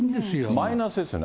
マイナスですよね。